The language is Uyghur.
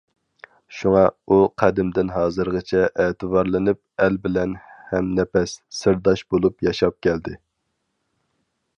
شۇڭا، ئۇ قەدىمدىن ھازىرغىچە ئەتىۋارلىنىپ، ئەل بىلەن ھەمنەپەس، سىرداش بولۇپ ياشاپ كەلدى.